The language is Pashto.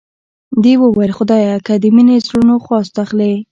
دې وویل خدایه که د مینې زړونو خواست اخلې.